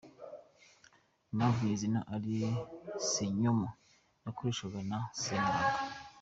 Impamvu y’izina ’Ali Ssenyomo’ ryakoreshwaga na Ssemwanga.